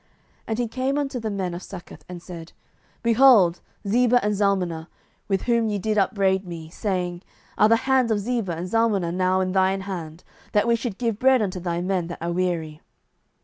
07:008:015 And he came unto the men of Succoth, and said, Behold Zebah and Zalmunna, with whom ye did upbraid me, saying, Are the hands of Zebah and Zalmunna now in thine hand, that we should give bread unto thy men that are weary?